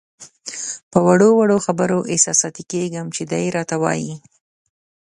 په وړو وړو خبرو احساساتي کېږم چې دی راته وایي.